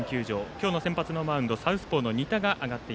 今日の先発のマウンドサウスポーの仁田です。